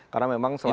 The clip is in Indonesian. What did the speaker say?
karena memang selama